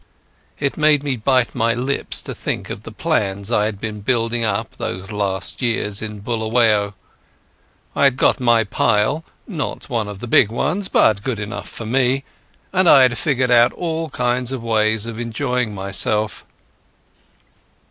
It made me bite my lips to think of the plans I had been building up those last years in Buluwayo. I had got my pile—not one of the big ones, but good enough for me; and I had figured out all kinds of ways of enjoying myself.